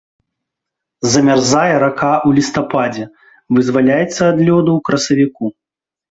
Замярзае рака ў лістападзе, вызваляецца ад лёду ў красавіку.